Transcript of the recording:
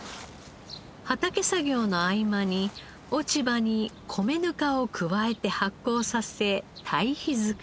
畑作業の合間に落ち葉に米ぬかを加えて発酵させ堆肥作り。